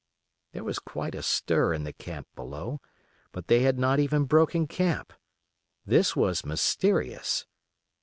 There was quite a stir in the camp below; but they had not even broken camp. This was mysterious.